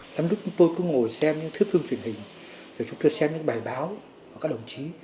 lắm lúc chúng tôi cứ ngồi xem những thước phim truyền hình để chúng tôi xem những bài báo của các đồng chí